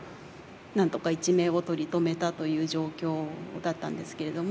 なんとか一命を取り留めたという状況だったんですけれども。